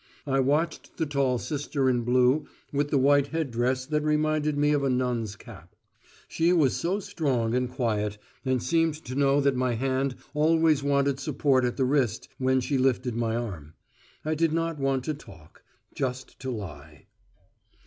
I watched the tall sister in blue with the white headdress that reminded me of a nun's cap. She was so strong and quiet, and seemed to know that my hand always wanted support at the wrist when she lifted my arm. I did not want to talk, just to lie.